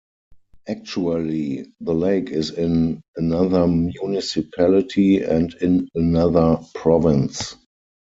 Actually, the lake is in another municipality and in another province.